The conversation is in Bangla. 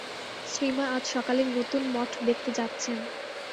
শ্রীমা আজ সকালে নূতন মঠ দেখতে যাচ্ছেন।